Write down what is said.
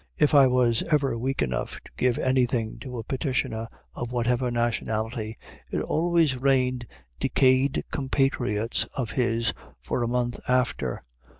If I was ever weak enough to give anything to a petitioner of whatever nationality, it always rained decayed compatriots of his for a month after.